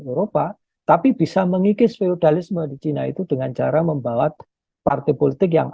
eropa tapi bisa mengikis feudalisme di china itu dengan cara membawa partai politik yang